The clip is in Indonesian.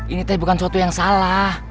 ini bukan sesuatu yang salah